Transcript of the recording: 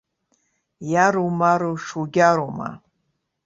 Иару-мару шугьарума?